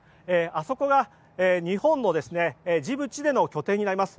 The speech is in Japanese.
あそこが日本のジブチでの拠点になります。